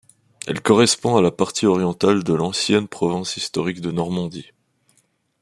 Elle correspond à la partie orientale de l'ancienne province historique de Normandie.